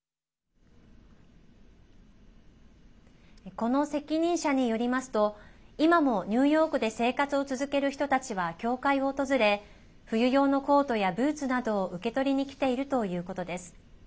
この責任者によりますと今も、ニューヨークで生活を続ける人たちは教会を訪れ冬用のコートやブーツなどを受け取りにきているということです。